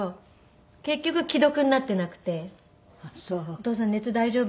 「お父さん熱大丈夫？